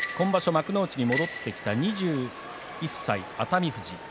幕内に戻ってきた２１歳、熱海富士。